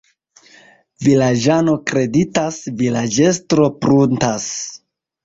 Vilaĝano kreditas, vilaĝestro pruntas.